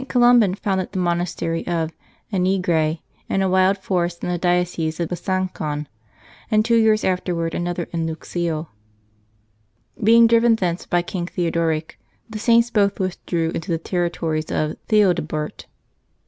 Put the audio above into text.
Columban founded the monastery of Anegray, in a wild forest in the diocese of Besangon, and two years afterward another in Luxeuil. Being driven thence by King Theodoric, the Saints both withdrew into the territories of Theodebert.